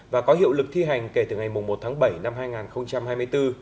và có hiệu lực thi hành kể từ ngày một tháng bảy năm hai nghìn hai mươi bốn